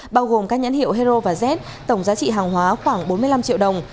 bao gồm các nhãn hiệu hero và z tổng giá trị hàng hóa khoảng bốn mươi năm triệu đồng